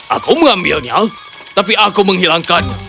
aku mengambilnya tapi aku menghilangkannya